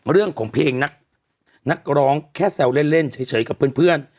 เรื่องของเพลงนักนักร้องแค่แซวเล่นเล่นเฉยเฉยกับเพื่อนเพื่อน